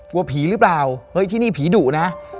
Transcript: กลัวผีหรือเปล่าเฮ้ยที่นี่ผีดุนะ